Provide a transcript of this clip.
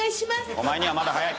お前にはまだ早い。